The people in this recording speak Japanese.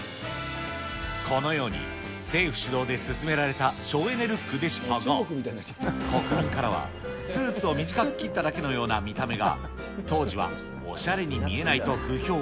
このように政府主導で進められた省エネルックでしたが、国民からはスーツを短く切っただけの見た目が、当時はおしゃれに見えないと不評。